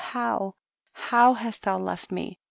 how, how hast thou left me!